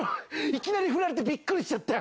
いきなり振られてびっくりしちゃった。